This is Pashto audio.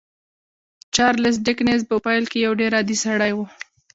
چارلیس ډیکنز په پیل کې یو ډېر عادي سړی و